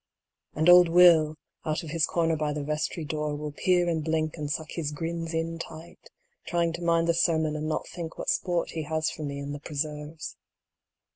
And old Will, out of his corner by the vestry door, will peer and blink and suck his grins in tight, trying to mind the sermon and not think what sport he has for me in the preserves.